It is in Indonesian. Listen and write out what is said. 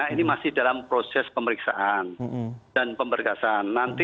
ini masih dalam proses pemeriksaan dan pemberkasan